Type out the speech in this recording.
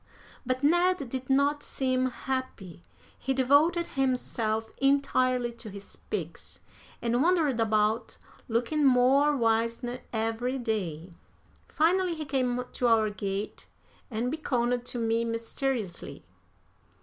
But Ned did not seem happy. He devoted himself entirely to his pigs, and wandered about looking more wizened every day. Finally he came to our gate and beckoned to me mysteriously.